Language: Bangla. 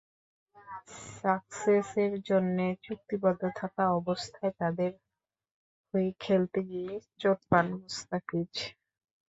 সাসেক্সের সঙ্গে চুক্তিবদ্ধ থাকা অবস্থায় তাদের হয়ে খেলতে গিয়েই চোট পান মুস্তাফিজ।